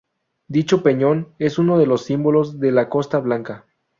Dicho peñón es uno de los símbolos de la Costa Blanca.